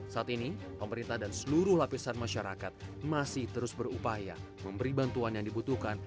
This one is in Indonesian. saat ini pemerintah dan seluruh lapisan masyarakat masih terus berupaya memberi bantuan yang dibutuhkan